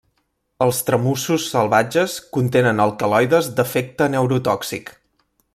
Els tramussos salvatges contenen alcaloides d'efecte neurotòxic.